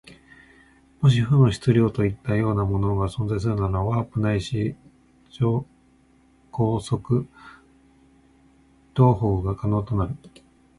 もし負の質量といったようなものが存在するなら、ワープないし超光速航法が可能となる。